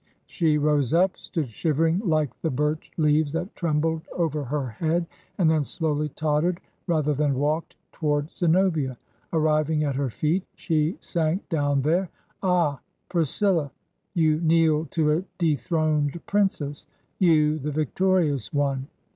She rose up, stood shivering like the birch leaves that trembled over her head, and then slowly tottered, rather than walked, toward Zenobia. Ar riving at her feet, she sank down there. •.. 'Ah, PrisciUa! ... You kneel to a dethroned princess. You, the victorious one!